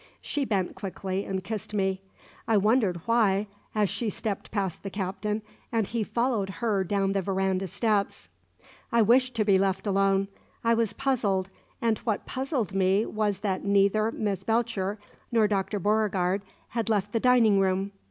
She bent quickly and kissed me. I wondered why, as she stepped past the Captain and he followed her down the verandah steps. I wished to be left alone. I was puzzled, and what puzzled me was that neither Miss Belcher nor Dr. Beauregard had left the dining room.